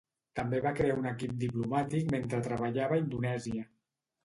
També va crear un equip diplomàtic mentre treballava a Indonèsia.